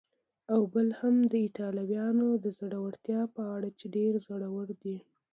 او بل هم د ایټالویانو د زړورتیا په اړه چې ډېر زړور دي.